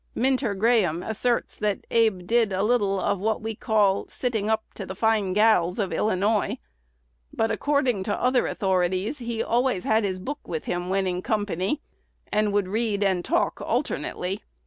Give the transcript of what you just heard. Minter Graham asserts that Abe did a little "of what we call sitting up to the fine gals of Illinois;" but, according to other authorities, he always had his book with him "when in company," and would read and talk alternately.